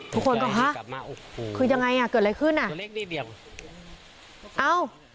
ทุกคนก็ฮะคือยังไงอ่ะเกิดอะไรขึ้นอ่ะ